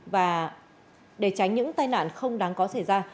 và để tránh những tai nạn không đáng có xảy ra